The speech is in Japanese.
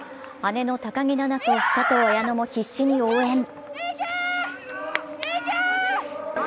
姉の高木菜那と佐藤綾乃も必死に応援。